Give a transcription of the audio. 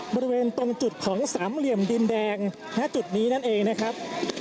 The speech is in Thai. บริเวณตรงจุดของสามเหลี่ยมดินแดงณจุดนี้นั่นเองนะครับ